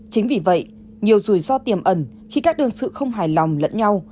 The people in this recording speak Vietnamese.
chính vì vậy nhiều rủi ro tiềm ẩn khi các đơn sự không hài lòng lẫn nhau